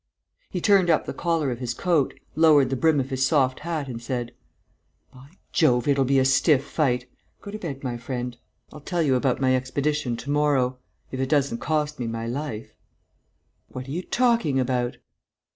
He turned up the collar of his coat, lowered the brim of his soft hat and said: "By Jove, it'll be a stiff fight! Go to bed, my friend. I'll tell you about my expedition to morrow ... if it doesn't cost me my life." "What are you talking about?"